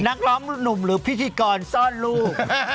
นักร้องหนุ่มหรือพิธีกรซ่อนลูก